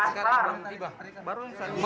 sekarang belum tiba